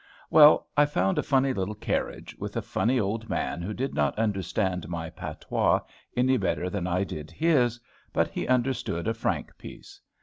Well, I found a funny little carriage, with a funny old man who did not understand my patois any better than I did his; but he understood a franc piece.